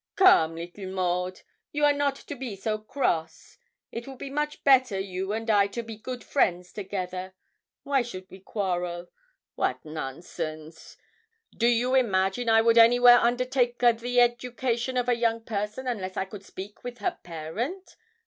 'Come, leetle Maud, you are not to be so cross; it will be much better you and I to be good friends together. Why should a we quarrel? wat nonsense! Do you imagine I would anywhere undertake a the education of a young person unless I could speak with her parent?